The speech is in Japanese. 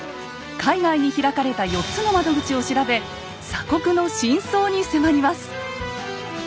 海外に開かれた４つの窓口を調べ鎖国の真相に迫ります。